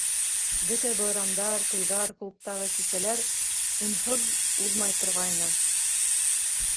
Бөтә байрамдар, туйҙар, клубтағы кисәләр унһыҙ уҙмай торғайны.